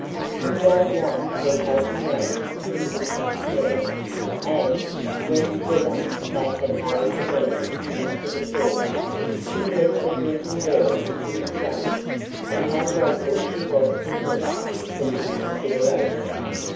"We don't want her poking round," he whispered to Mary, as (when together they had hurried the mare into her stall) he led the drooping girl to his study and how grateful she was to him for this consideration!